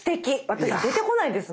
私出てこないです